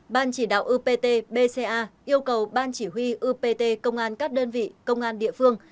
ban chỉ đạo upt bca yêu cầu ban chỉ huy upt công an các đơn vị công an địa phương